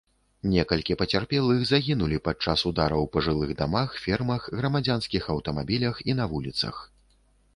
Некалькі пацярпелых загінулі падчас удараў па жылых дамах, фермах, грамадзянскіх аўтамабілях і на вуліцах.